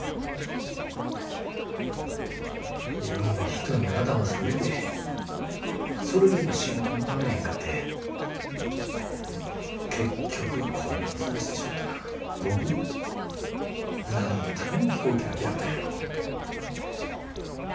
いろんな人に頭下げてそれでも仕事もらわれへんかって結局工場潰してしもたら僕何のために飛行機諦めたんやろ。